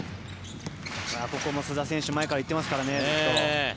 ここも須田選手前からずっと行ってますからね。